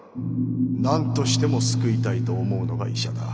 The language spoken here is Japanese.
なんとしても救いたいと思うのが医者だ。